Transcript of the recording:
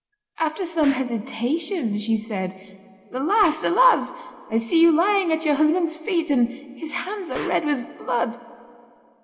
After some hesitation, she said: 'Alas! alas! I see you lying at your husband's feet, and his hands are red with blood.